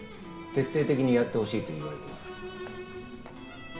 徹底的にやってほしいと言われてます。